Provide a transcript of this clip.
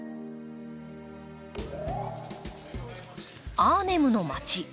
アーネムの街。